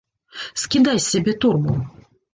Скідай з сябе торбу!